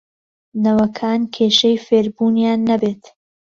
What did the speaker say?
نەوەکان کێشەی فێربوونیان نەبێت